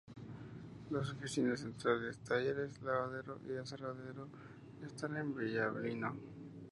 Las oficinas centrales, talleres, lavadero y aserradero están en Villablino.